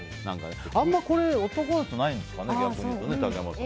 あんまりこれ男だとないんですかね。